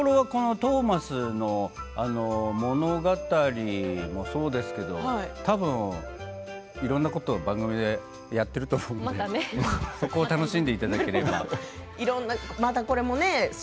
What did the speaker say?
トーマスの物語もそうですけど多分、いろんなこと番組でやっていると思いますのでそこを楽しんでいただければと思います。